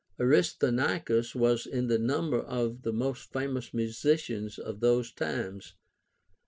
Aristonicus was in the number of the most famous musicians of those times.